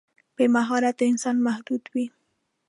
بې مهارته انسان محدود وي.